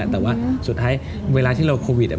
แต่ว่าสุดท้ายเวลาที่เราโควิด